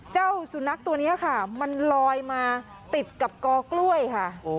เจ้าสุนัขตัวนี้ค่ะมันลอยมาติดกับกอกล้วยค่ะ